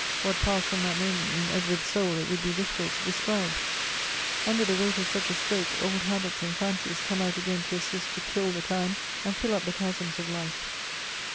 "What passed from that moment in Edward's soul it would be difficult to describe ! Under the weight of such a stroke, old habits and fancies come out again to assist to kill the time and fill up the chasms of life.